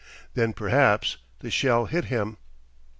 Then perhaps the shell hit him.